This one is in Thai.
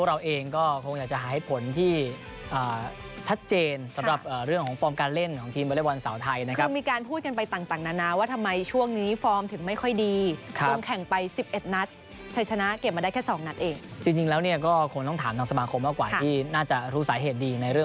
เราเองก็ควรอยากจะหาให้ผลที่อ่าชัดเจนสำหรับเอ่อ